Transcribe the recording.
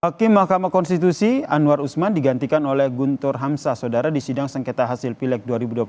hakim mahkamah konstitusi anwar usman digantikan oleh guntur hamzah saudara di sidang sengketa hasil pilek dua ribu dua puluh empat